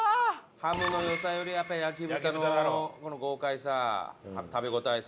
ハムの良さよりやっぱ焼豚の豪快さ食べ応えさ。